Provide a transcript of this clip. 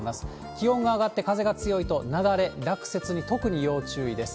気温が上がって風が強いと雪崩、落雪に特に要注意です。